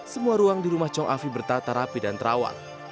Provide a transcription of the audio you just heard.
semua ruang di rumah chong afi bertata rapi dan terawat